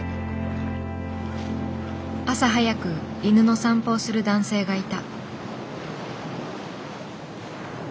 朝早く犬の散歩をする男性がいた。